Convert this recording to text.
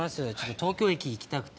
東京駅行きたくて。